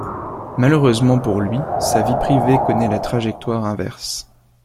Malheureusement pour lui, sa vie privée connaît la trajectoire inverse.